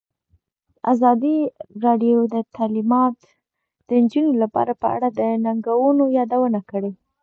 ازادي راډیو د تعلیمات د نجونو لپاره په اړه د ننګونو یادونه کړې.